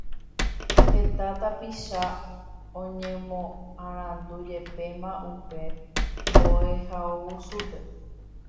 Heta tapicha oñemoarandujepéma upe mbo'ehaovusúpe